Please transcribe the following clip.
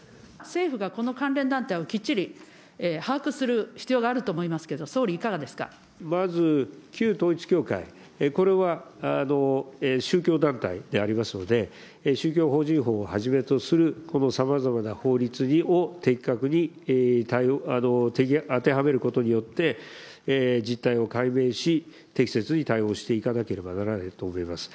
政府がこの関連団体をきっちり把握する必要があると思いますけど、総理、まず旧統一教会、これは宗教団体でありますので、宗教法人法をはじめとするこのさまざまな法律を、的確に当てはめることによって、実態を解明し、適切に対応していかなければならないと思います。